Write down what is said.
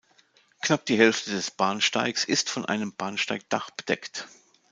Knapp die Hälfte des Bahnsteigs ist von einem Bahnsteigdach bedeckt.